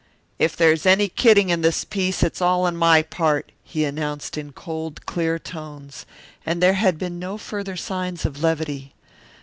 "If there's any kidding in this piece it's all in my part," he announced in cold, clear tones, and there had been no further signs of levity.